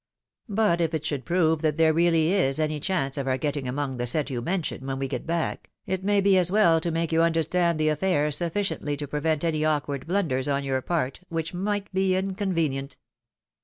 But if it should prove that there really is any chance of our getting among the set you mention, when we get back, it may be as well to make you understand the affair sufficiently to prevent any awkward blunders on your part, which might be inconvenient.